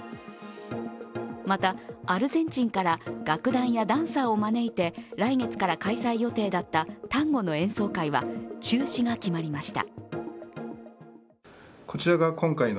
また、アルゼンチンから楽団やダンサーを招いて来月から開催予定だったタンゴの演奏会は中止が決まりました。